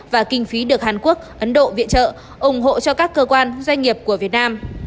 và kinh phí được hàn quốc ấn độ viện trợ ủng hộ cho các cơ quan doanh nghiệp của việt nam